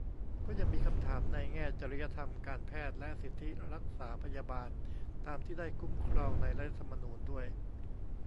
ก็ยังมีคำถามในแง่จริยธรรมการแพทย์ และสิทธิรักษาพยาบาลตามที่ได้คุ้มครองในรัฐธรรมนูญด้วย